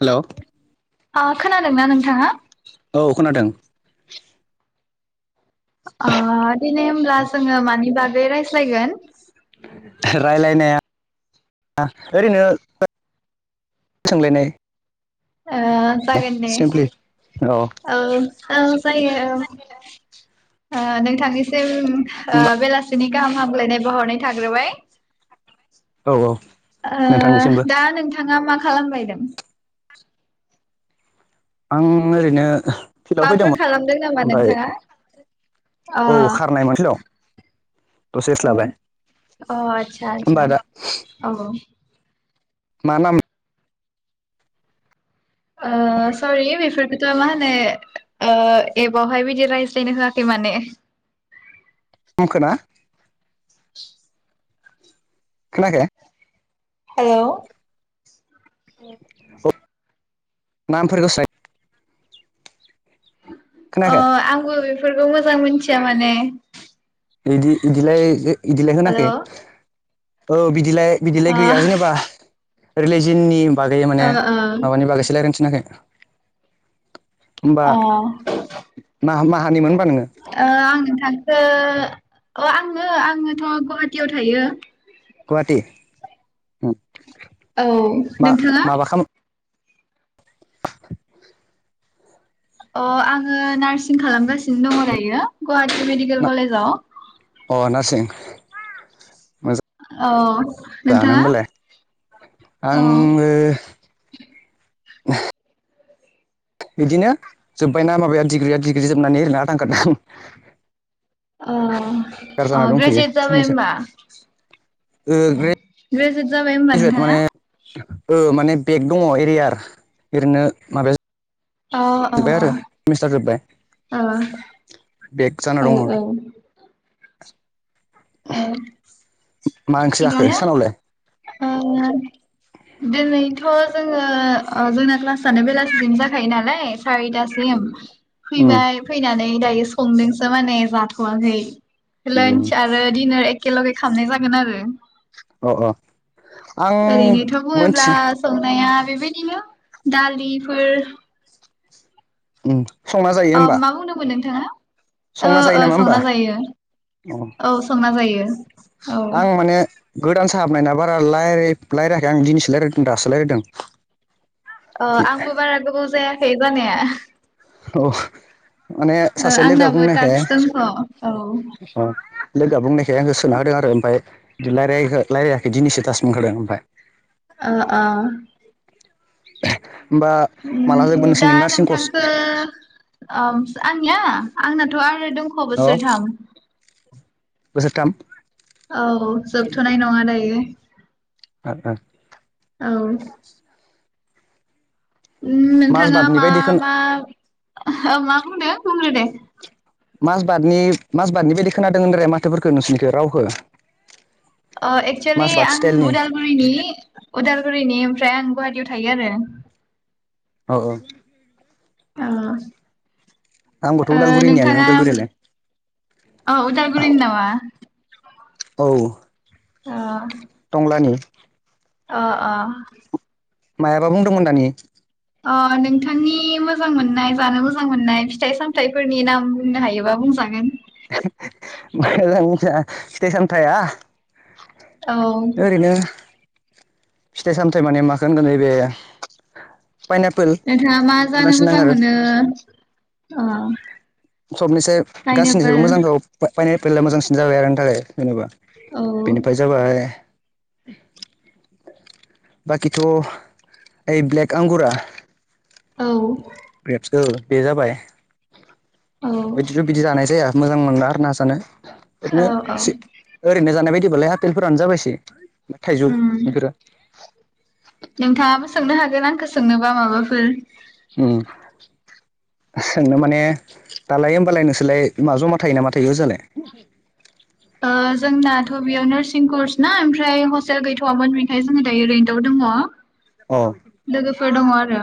Hello अ खोनादोंना नोंथाङा? औ खोनादों। ओ दिनै होमब्ला जोङो मानिबागै रायज्लायगोन? रायलायनाया ओरैनो सोंलायनाय। ओ जागोन दे। सिमप्लि औ औ जायो औ ओ नोंथांनिसिम ओ होमबा बेलासिनि गाहाम हामलायनाय बहरनाय थाग्रोबाय। औ औ ओ नोंथांनिसिमबो दा नोंथाङा मा खालामबायदों? आं ओरैनो फिल्डआव माबाफोर फैदोंमोन खालामदों नामा ओमफाय नोंथाङा अ औ खारनायमोन फिल्डाव। दसे रेस्ट औ लाबाय अ आदसा आदसा होमबा दा औ औ। मा नाम? ओ सरि बेफोरखौथ' मा होनो ओ एपावहाय बिदि रायज्लायनो होआखैमो माने [unintelligible] खौना? खोनायाखै? हेलौ नामफोरखौसो ओ आंबो बेफोरखौ मोजां मोनथिया माने बिदि बिदिलाय इदिलाय हेल' होनाखै ओ औ बिदि बिदिलाय बिदिलाय ओ गैया जेनेबा रिलिजननि बागै माने माबानि बागैसो रायलायनो नायाखै अ' ओ माहानिमोन होनबा नोङो आं नोंथांखो अ आङो आङोथ' गुवाहाटियाव थायो। गुवाहाटि औ मा नोंथाङा माबा खालामो! अ आङो नार्सिं खालामगासिनो दङ दायो। गुवाहाटी मेडिकेल कलेजाव! [unintelligible] औ जानो नोंथाङा होमबालाय औ आङो [inaudible] [inaudible] बिदिनो जोब्बायना माबाया डिग्रिया डिग्रि जोबनानै ओरैनो आदां गादां अ बेखार जाना अ दंथ'यो ग्रेजयेट जाबाय साननैसो ओमबा! ओ ग्रेजुवेट जाबाय होमबा नोंथाङा? औ माने बेग दङ एरियार ओरैनो माबाया अ अ जोब्बाय आरो सेमिस्टार जोबबाय अ बेक जाना औ औ दङ। [unintelligible] औ मा ओंख्रि थिग जाखो आनो सानावलाय ओ दिनैथ' जोङो जोंना क्लासानो बेलासिसिम जाखायो नालाय सारिथासिम- उम फैबाय फैनानै दायो संदोंसो माने जाथ'वाखै! लान्च आरो डिनार एखेेलगे खालामामनाय जागोन आरो। अ अ। आं ओरैनोथ' बुङोब्ला मोनथिया संनाया - बेबायदिनो दालिफोर उम संना जायो औ होमबा मा बुंनोमोन नोंथाङा? ओ संना जायो ओ नामा होमबा संना जायो अ औ संना जायो। औ आं माने गोदान साहाबनायना बारा रायलाय रायलायाखै आं दिनिसो रायलायदों दासो रायलायदों। अ आंबो बारा गोबाव जायाखै जानाया! औ माने ओ सासे लोगोआ आंनाबो बुंनायखाय टाक्स दंथ' औ ओ अ - लोगो बुंनायखाय आंखौ सोना होदों आरो ओमफ्राय इदि रायलायाखै दिनैसो ताक्स मोनखादों ओमफ्राय- ओ ओ होमबा माला जोबगोन उम नोंसोरनि नार्सिं कर्स औ आंनिया आंनाथ' आरो दंख' अ बोसोरथाम। बोसोरथाम औ जोबथ'नाय नङा दायो। ओ ओ। औ नोंथाङा माजबादनि मा बायदि खोन मा ओ बुंनो - माजबादनि माजबादनि बायदि खोनादों होनदोरे माथोफोरखो नोंसोरनिखो रावखो। एक्सुयेलि आं उदालगुरिनि उदालगुरिनि ओमफ्राय आं। गुवाहाटियाव थायो आरो। औ औ। अ। आंबोथ' ओ उदालगुरिनियानो नोंथाङा उदालगुरियालाय उदालगुरिनि अ' नामा। औ। अ। तंलानि। अ अ। मायाबा बुंदोंमोन दानि? अ नोंथांनि मोजां मोननाय जानो मोजां मोननाय फिथाइ सामथाइफोरनि नाम बुंनो हायोबा बुंजागोन। [unintelligible] फिथाइ सामथाया, औ। फिथाइ सामथाइ माने माखो होनगोन नैबे। पाइनापोल नोंथाङा मा जानो मोजांसिन नाङो मोजां आरो मोनो अ। सबनिसाय गासैनिसायबो मोजांखौ पायनापेला मोजांसिन जाबाय आरो आंनि थाखाय। जेनेबा औ बेनिफ्राय जाबाय। बाखिथ' ओइ ब्लेक आंगुरा। औ। औ ग्रेप्स बे जाबाय औ बिदिथ' बिदि जानाय जाया मोजां मोनला आरौ ना जानो। औ ओरैनो औ सि ओरैनो जानाय बायदिबालाय आपेलफोरानो जाबायसै। थाइजौ उम इफोरो। नोंथाङाबो सोंनो हागोन आंखो सोंनोबा माबाफोर। ओम। सोंनो माने दालाय होमबालाय नोंसोरलाय मा जमा थायो ना मा थायो ओजालाय, ओ जोंनाथ' बेयाव नार्सिं कर्स ना ओमफ्राय हस्टेल गैथ'वामोन बेखाय जोङो दायो रेन्तआव दङ। अ लोगोफोर दङ आरो।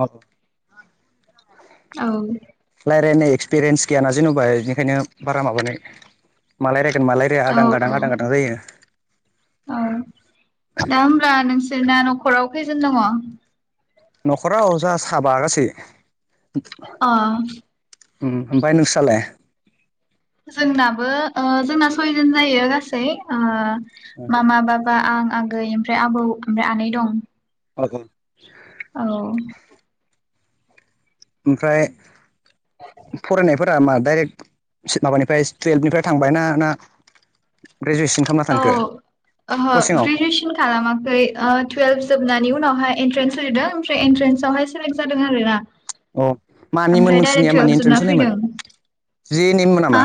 अ औ। लायरायनाय एक्सपिरियेन्स गैयाना जेन'बा इनिखायनो बारा माबानो मा लायराय मा लायराया औ आदां गादां औ आदां गादां जायो। औ दा होमब्ला नोंसोरना न'खराव खैजोन दङ। न'खराव अ जाङा साबा गासै। अह। ओम ओमफाय नोंसालाय? जोंनाबो ओ जोंना सयजन जायो गासै ओ। मामा बाबा आं आगै ओमफ्राय आबौ ओमफ्राय आनै दं। [unintelligible] औ। ओमफ्राय फरायनाय। फोरा मा डाइरेक्ट माबानिफ्राय टुयेल्भनिफ्राय थांबाय ना ना। ग्रेजुवेसन खालामना थांखो औ ओहो कचिंआव ग्रेजुवेसन खालामाखै ओ टुवेल्भ जोबना बिनि उनावहाय इन्ट्रेन्स हदों ओमफ्राय एन्ट्रेन्सआवहाय सेलेक्ट जादों आरो ना। अ मानिमोन ओमफ्राय डाइरेक्ट नोंसोरनिया मानि तुयेल्फ एन्ट्रेन्स जोबना होनायमोन फैदों जि एन एम नामा हा।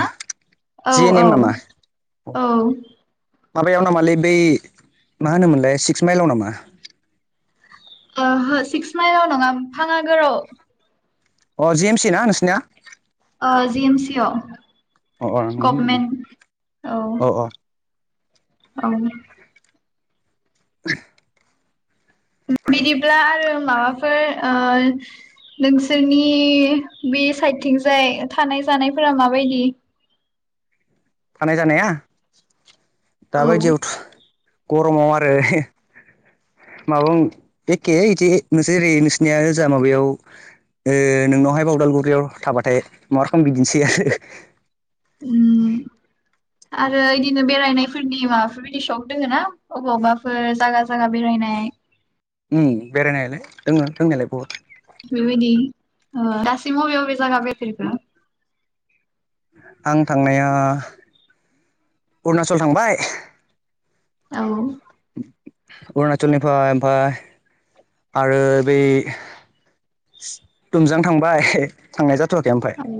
औ जि एन एम औ नामा औ। माबायाव नामालै बै मा होनोमोनलाय सिक्स माइलाव नामा। ओहो सिक्स माइलाव नङा फाङागोराव अ जिएम सि ना नोंसिनिया? ओ जि एम सिव अ अ नंदोंमोन गभमेन्ट औ अ औ। [inaudible] बिदिब्ला आरो माबाफोर ओ नोंसोरनि बे साइडथिंजाय थानाय जानायफोरा माबायदि? थानाय जानाया औ दाबायदियावथ' गरमाव आरो माबा एखे बिदि नोंसोर ओरै नोंसिनिया जेरै ओजा माबायाव ओ नोंनावहाय उदालगुरियाव थाबाथाय मा रखम बिदिनोसै आरो। उम आरो इदिनो बेरायनायफोरनि माबाफोरबायदि सक दोङोना अबावबाफोर जागा जागा बेरायनाय? उम बेरायनायालाय दोङो दोंनायलाय बहुद। बेबायदि ओ दासिम बबे बबे जागा बेफेरखो? आं थांनाया अरुणाचल थांबाय। औ अरुणाचलनिफ्राय ओमफाय आरो बै तुमजां थांबाय [unintelligible] थांनाय जाथ थ'वाखै ओमफाय औ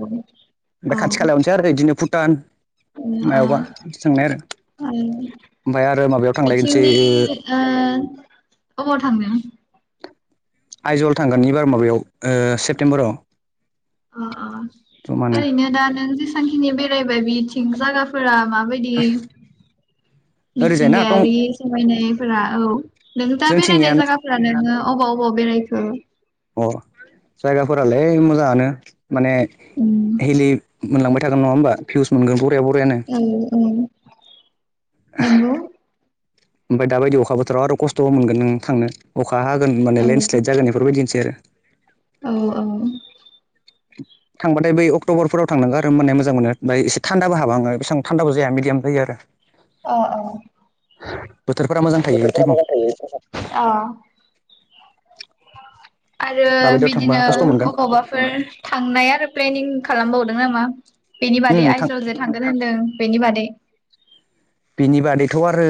ओमफाय औ खाथि खालायावनोसै आरो इदिनो भुटान ओ मायावबा थांनाय आरो ओमफाय आरो माबायाव थांलायगोन नि ओ अबाव थांनो? आइजल थांगोननि इबार माबायाव सेप्तेम्बराव अ जमानो ओरैनो दा नों जाखिनि बेरायबाय बिथिं जायगाफोरा माबायदि ओरैजायना दं मिथिंगायारि समायनायफोरा औ नों दा बेरायनाय जोंथिंनियानो जागाफोरा नोङो अबाव अबाव बेरायखो? अ जायगाफोरालाय मोजाङानो माने उम हिलि मोनलांबायगोन नङा होमबा पिउस मोनगोन बुहु ओं ओं नोंगौ। ओमफाय दाबायदि अखाबोथोराव आरो खस्थ'बो मोनगोन नों थांनो अखा हागोनान औ लेण्डस्लाइद जागोन एफोरबायदिनो गेर औ औ थांबाथाय बै अक्ट'बरफोराव थांनांगोन आरो माने मोजां मोनो ओमबानि एसे थान्दाबो हाबहांओ बेबां थान्दाबो जाया मिडियाम जायो आरो। अ बोथोरफोरा मोजां थायो बे टाइमाव औ अ आरो दाबायदियाव थांबा बिदिनो खस्थ' मोनगोन अबावबाफोर थांनाय आरो प्लेनिं खालामबावदों नामा बेनि बादै उम थां आइजलजों थांगोन होनदों बेनि बादै? बिनि बादैथ' आरो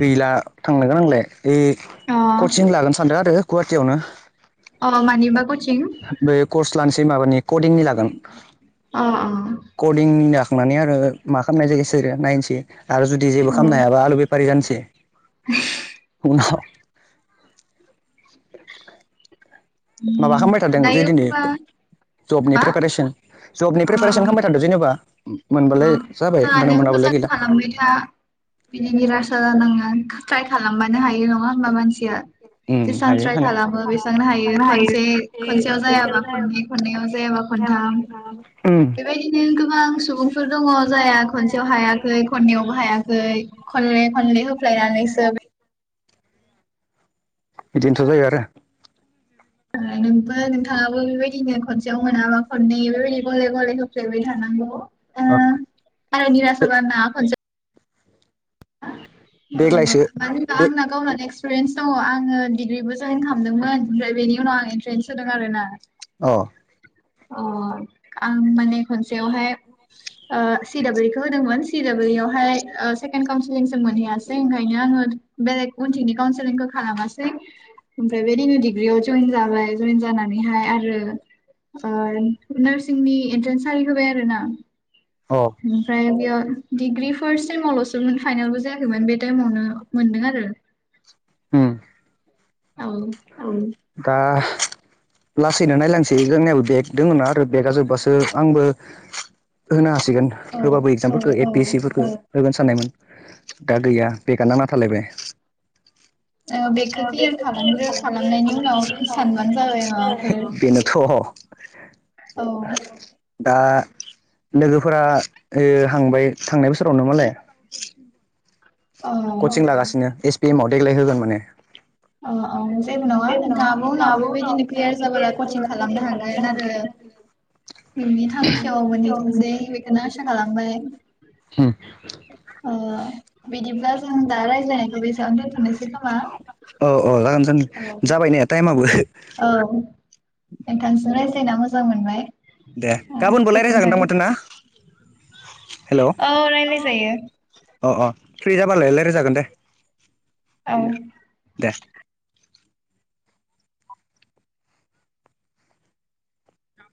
गैला थांनो गोनांलाय। ए अ कचिं लागोनो सानदों आरो गुवाहाटियावनो। अ मानिबा कचिं बे कर्स लानोसै माबानि कदिंनि लागोन। अ अ कदिंनि लाखांनानै आरो मा खालामनाय जायोसै आरो नायनोसै। आरो जुदि जेबो औ खालामनो हायाबा आलु बेफारि जानोसै। [unintelligible] [unintelligible] माबा खालामबाय थादों जे दायो दिनै होनबा जबनि मा प्रिपारेसन जबनि प्रिपारेसन खालामबाय थादो जेनेबा। अ मोनबालाय जाबाय मोजाङानो ओमफ्राय मोनाबालाय मोजां गैला खालामबाय था बिदिनि रासा जानाङा। ट्राइ खालामबानो हायो नङा होमबा मानसिया उम जेसां हायो ट्राइ हानाय खालामो बेसांनो हायो खनसे खनसेयाव जायाबा खननै खननैयाव जायाबा खन थाम उम बेबायदिनो गोबां सुबुं फोर दङ जायाहा खनसेयाव हायाखै खननैयावबो हायाखै खनले खनले होफ्लायनानैसो बिदिनोथ' जायो आरो। नोंबो नोंथाङाबो बेबायदिनो खनसेयाव मोनाबा खननै बेबायदि गले गले होफ्लेबाय थानांगौ। ओ औ आरो [unintelligible] खनसे अ म मानो देग्लायसो होमबा दे आंना गावना नेक्स एक्सपिरिन्स दङ आङो डिग्रिबो जयन खामदोंमोन ओमफ्राय बेनि उनाव आं एन्ट्रेन्स होदों आरो ना। अ अ आं माने खनसेयावहाय ओ सि दाबलिउ खो होदोंमोन सि दबलिउ आवहाय ओ सेकेणड काउन्सिलिं जों मोनहैयाै ओंखायनो आङो बेलेग उनथिंनि काउसेलिंखौ खालामासै ओमफ्राय बेदिनो डिग्रियाव जयेन जाबाय जयेन जानानैहाय आरो। नारसिंनि एनट्रेन्स साइ होबाय आरो ना अ ओमफ्राय बेयाव। डिग्रि फार्स्ट सेमावल'सो फाइनलबो जायाखैमोन बे टाइमावनो मोनदों आरो। उम। औ दा। लासैनो नायलांसै जोंनियाबो बेग दङ ना आरो बेगा जोब्बासो आंबो होनो। सिगोन औ होबाबो एक्जामफोरखौ ए औ पि एस सिफोरखो। होगोन साननायमोन दा गैया बेगा नांना थालायबाय। औ बेखौ क्लियार खालामग्रो। खालामनायनि उनाव सानबानो जाबाय माबाफोर [unintelligible] बेनोथ' औ। दा। लोगोफोरा ओ हांबाय थांनाय बोसोरावनो माने औ कचिं लागासिनो एस पिएम आव देग्लाय होगोन माने अ औ जेबो नङा नोंथाङाबो उनाव बेबायदिनो क्लियार जाब्ला कचिं खालामनो हागोन आरो नोंनि थांखियाव मोनहैथोंसै बेखौनो आसा खालामबाय हम। ओ बिदिब्ला जों दा रायज्लायनायखौ बेसेबां दोन्थ'नोसै खोमा। अ जागोन सान औ जाबाय ने टाइमआबो। औ नोंथांजों रायज्लायना मोजां मोनबाय दे गाबोनबो रायजायजागोन गोजोनथों दा माथो ना हेल' औ राय्लाय जायो अ अ फ्रि जाबालायलाय रोजागोन दे औ बिदिनो दे